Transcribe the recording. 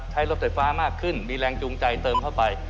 รถไฟฟ้ามากขึ้นมีแรงจูงใจเติมเข้าไป